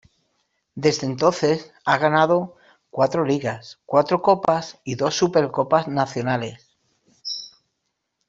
Desde entonces, ha ganado cuatro ligas, cuatro copas y dos supercopas nacionales.